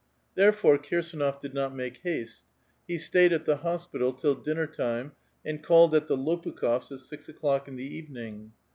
Theix'fore, Kirsdnof did not make haste ; he stayed at the hospital till dinner time, and called at the Lopukh6fs at six o'clock in the evening.